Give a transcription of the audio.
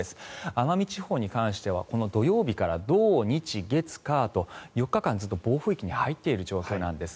奄美地方に関してはこの土曜日から、土日月火と４日間ずっと暴風域に入っている状況なんです。